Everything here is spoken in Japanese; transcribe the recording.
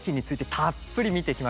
たっぷり。